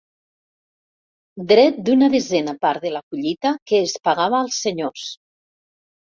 Dret d'una desena part de la collita que es pagava als senyors.